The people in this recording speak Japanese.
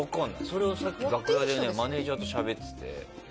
それはさっき楽屋でマネジャーとしゃべってて。